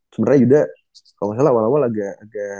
sebenernya juga kalo gak salah awal awal agak